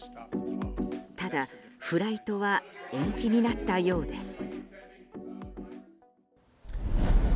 ただ、フライトは延期になったようです。